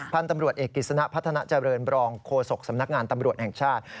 พันธุ์ตำรวจเอกกิจสนะพัฒนาเจริญบรองโฆษกสำนักงานตำรวจแห่งชาติ